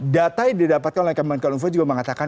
data yang didapatkan oleh kemenko info juga mengatakan